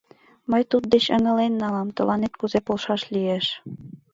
Мый туддеч ыҥылен налам — тыланет кузе полшаш лиеш.